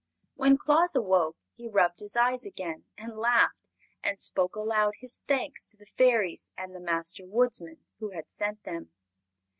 When Claus awoke he rubbed his eyes again, and laughed, and spoke aloud his thanks to the Fairies and the Master Woodsman who had sent them.